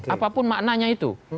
apapun maknanya itu